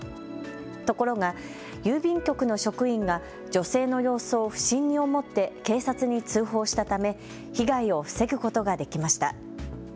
ところが郵便局の職員が女性の様子を不審に思って警察に通報したため、被害を防ぐことができました。